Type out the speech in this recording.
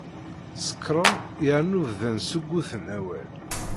Sekṛen yernu bdan ssugguten awal.